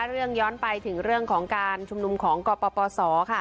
ย้อนไปถึงเรื่องของการชุมนุมของกปศค่ะ